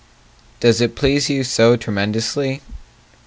Does it please you so tremendously?